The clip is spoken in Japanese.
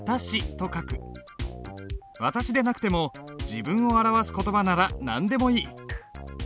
「私」でなくても自分を表す言葉なら何でもいい。